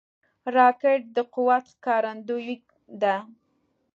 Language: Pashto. راکټ د قوت ښکارندوی ده